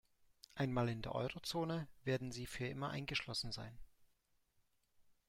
Einmal in der Eurozone, werden Sie für immer eingeschlossen sein.